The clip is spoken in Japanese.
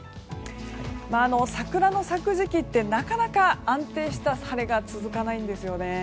桜の咲く時期ってなかなか安定した晴れが続かないんですよね。